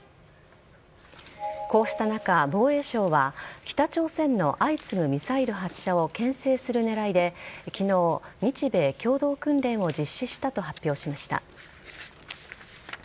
こうした中、防衛省は北朝鮮の相次ぐミサイル発射をけん制する狙いで昨日、日米共同訓練を実施したと発表しました。